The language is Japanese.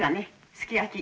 すき焼き。